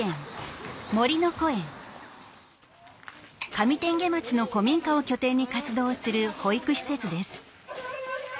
上天花町の古民家を拠点に活動をする保育施設です。